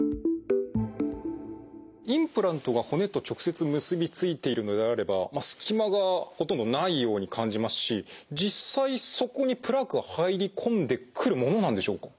インプラントが骨と直接結び付いているのであればすき間がほとんどないように感じますし実際そこにプラークは入り込んでくるものなんでしょうか？